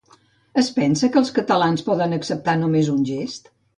Es pensa que els catalans podem acceptar només un gest?